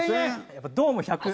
やっぱ「ドーム１００」